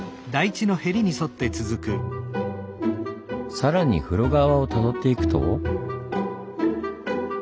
さらに風呂川をたどっていくと。